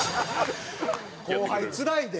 後輩つらいで。